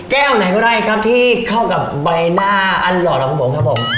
ไหนก็ได้ครับที่เข้ากับใบหน้าอันหล่อของผมครับผม